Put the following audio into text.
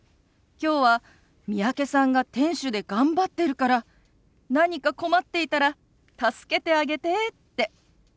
「きょうは三宅さんが店主で頑張ってるから何か困っていたら助けてあげて」って。